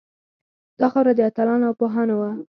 دا خاوره د اتلانو او پوهانو وه